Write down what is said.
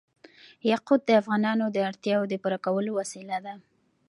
یاقوت د افغانانو د اړتیاوو د پوره کولو وسیله ده.